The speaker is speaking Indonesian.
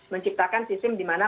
menciptakan sistem dimana